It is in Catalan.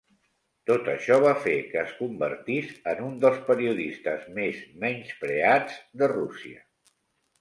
Tot això va fer que es convertís en un dels periodistes més menyspreats de Rússia.